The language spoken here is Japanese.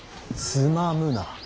つまむな。